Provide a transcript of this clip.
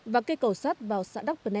và cây cầu sát vào xã đắk vân e